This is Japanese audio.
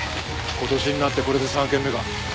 今年になってこれで３軒目か。